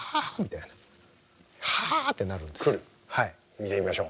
見てみましょう。